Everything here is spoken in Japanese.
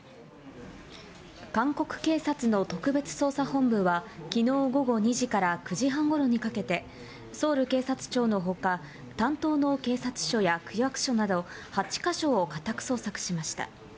韓国警察の特別捜査本部は、きのう午後２時から９時半ごろにかけて、ソウル警察庁のほか、担当の警察署や区役所など８か所を家宅捜索しました。